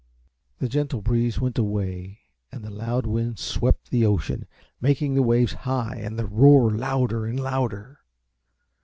The gentle breeze went away and the loud wind swept the ocean, making the waves high and the roar louder and louder.